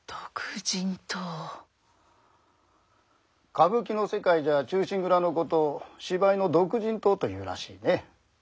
歌舞伎の世界じゃ「忠臣蔵」のことを「芝居の独参湯」というらしいね。